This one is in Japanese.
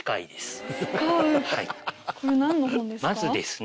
これ何の本ですか？